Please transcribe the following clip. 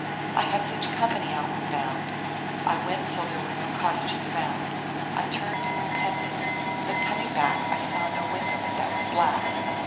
I had such company outward bound. I went till there were no cottages found. I turned and repented, but coming back I saw no window but that was black.